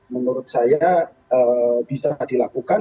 menurut saya bisa dilakukan